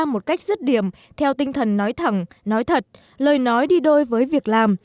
một cách dứt điểm theo tinh thần nói thẳng nói thật lời nói đi đôi với việc làm